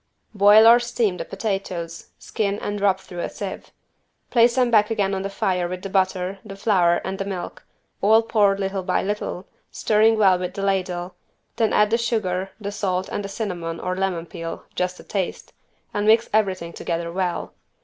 Boil or steam the potatoes, skin and rub through a sieve. Place them back again on the fire with the butter, the flour and the milk, all poured little by little, stirring well with the ladle, then add the sugar, the salt and the cinnamon or lemon peel (just a taste) and mix everything together well.